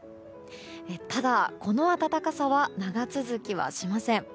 ただ、この暖かさは長続きはしません。